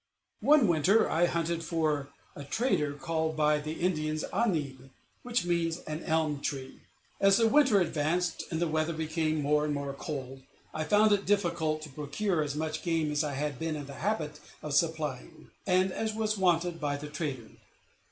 One winter I hunted for a trader called by the Indians Aneeb, which means an elm tree. As the winter advanced, and the weather became more and more cold, I found it difficult to procure as much game as I had been in the habit of supplying, and as was wanted by the trader.